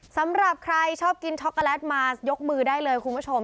สำหรับใครชอบกินช็อกโกแลตมายกมือได้เลยคุณผู้ชม